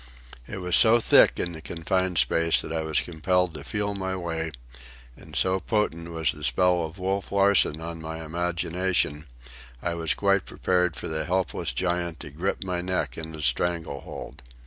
It was so thick in the confined space that I was compelled to feel my way; and so potent was the spell of Wolf Larsen on my imagination, I was quite prepared for the helpless giant to grip my neck in a strangle hold.